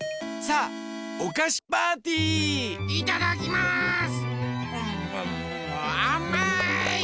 あまい！